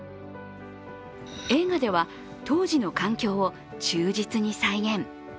映画では当時の環境を忠実に再現。